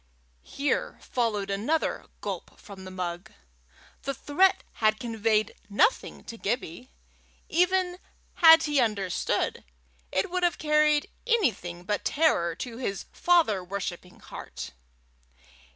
Here followed another gulp from the mug. The threat had conveyed nothing to Gibbie. Even had he understood, it would have carried anything but terror to his father worshipping heart.